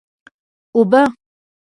اوبه!